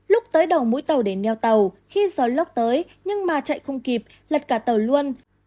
lúc tới đầu mũi tàu để neo tàu khi gió lốc tới nhưng mà chạy không kịp lật cả tàu luôn